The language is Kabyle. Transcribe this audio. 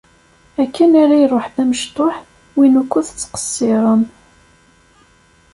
Akken ara iruḥ d amecṭuḥ, win ukud tettqeṣṣirem.